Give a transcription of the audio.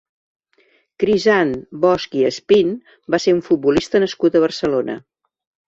Crisant Bosch i Espín va ser un futbolista nascut a Barcelona.